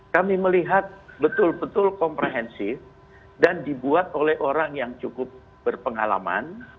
kami melihat betul betul komprehensif dan dibuat oleh orang yang cukup berpengalaman